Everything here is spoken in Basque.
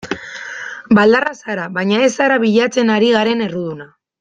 Baldarra zara baina ez zara bilatzen ari garen erruduna.